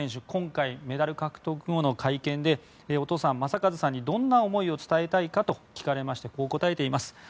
今回メダル獲得後の会見でお父さんの正和さんにどんな思いを伝えたいかと聞かれましてこう答えています。